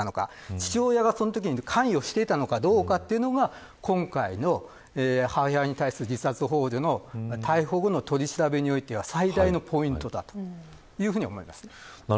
父親がそのときに関与していたのかどうかが今回の母親に対する自殺ほう助の逮捕後の取り調べにおいて最大のポイントだと思います。